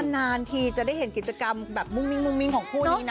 นานทีจะได้เห็นกิจกรรมแบบมุ่งมิ้งของคู่นี้นะ